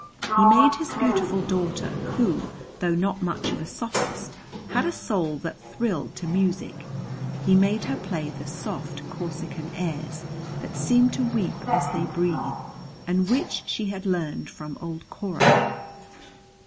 He made his beautiful daughter, who, though not much of a sophist, had a soul that thrilled to music, he made her play the soft Corsican airs, that seem to weep as they breathe, and which she had learned from old Cora.